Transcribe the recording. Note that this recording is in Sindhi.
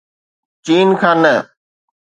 چين کان نه.